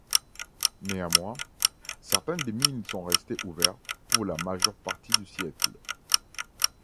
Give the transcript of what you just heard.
Néanmoins, certaines des mines sont restées ouvertes pour la majeure partie du siècle.